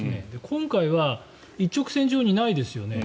今回は一直線上にないですよね。